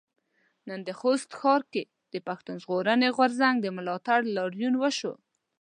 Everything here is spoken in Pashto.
نن د خوست ښار کې د پښتون ژغورنې غورځنګ په ملاتړ لاريون وشو.